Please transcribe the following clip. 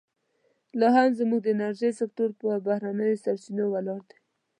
لا هم زموږ د انرژۍ سکتور پر بهرنیو سرچینو ولاړ دی.